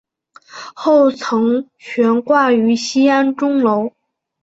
后曾悬挂于西安钟楼。